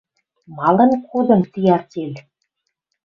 Малын кодын ти артель.